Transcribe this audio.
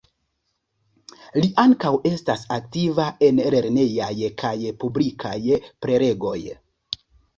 Li ankaŭ estas aktiva en lernejaj kaj publikaj prelegoj.